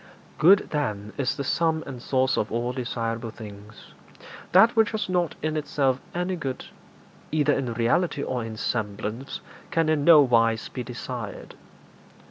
Good, then, is the sum and source of all desirable things. That which has not in itself any good, either in reality or in semblance, can in no wise be desired.